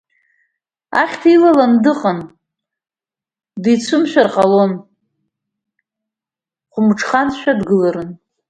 Ахьҭа илалан дыҟан, дицәымшәар ҟалон, хәымҽханшәа дгыларын.